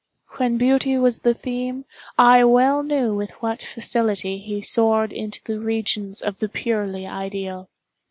When beauty was the theme, I well knew with what facility he soared into the regions of the purely ideal.